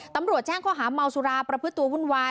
ตำรวจแจ้งข้อหาเมาสุราประพฤติตัววุ่นวาย